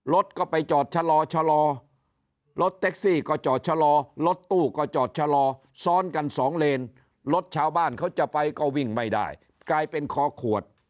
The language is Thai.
รถก็ไปจอดชะลอชะลอรถแท็กซี่ก็จอดชะลอรถตู้ก็จอดชะลอซ้อนกันสองเลนรถชาวบ้านเขาจะไปก็วิ่งไม่ได้กลายเป็นคอขวด